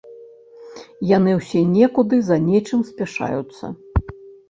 Яны ўсе некуды за нечым спяшаюцца.